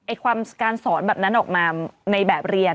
ความการสอนแบบนั้นออกมาในแบบเรียน